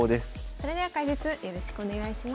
それでは解説よろしくお願いします。